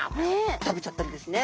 食べちゃったりですね。